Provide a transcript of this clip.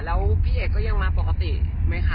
แล้วพี่เอกก็ยังมาปกติไหมคะ